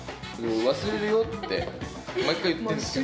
忘れるよって毎回言ってるんですけど。